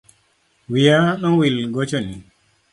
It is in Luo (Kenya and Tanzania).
Wia nowil gochoni